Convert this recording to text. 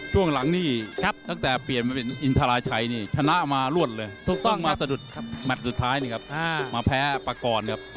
ช่วงหลังนี่ตั้งแต่เปลี่ยนมาเป็นอินทราชัยนี่ชนะมารวดเลยถูกต้องมาสะดุดแมทสุดท้ายนี่ครับมาแพ้ปากรครับ